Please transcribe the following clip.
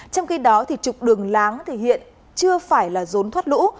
trong khi đó trục đường láng hiện chưa phải là rốn thoát lũ